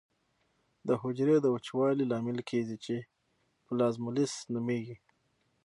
د حجرې د وچوالي لامل کیږي چې پلازمولیزس نومېږي.